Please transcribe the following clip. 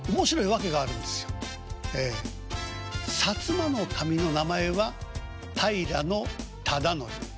摩守の名前は平忠度。